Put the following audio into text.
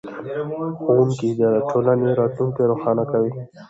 ښوونه د ټولنې راتلونکی روښانه کوي